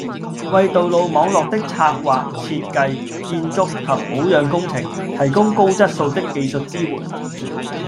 為道路網的策劃、設計、建築及保養工程，提供高質素的技術支援